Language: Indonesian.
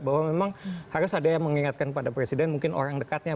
bahwa memang harus ada yang mengingatkan pada presiden mungkin orang dekatnya